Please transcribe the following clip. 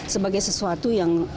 sebagai sesuatu yang